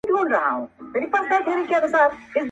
نور ئې نور، عثمان ته هم غورځېدی.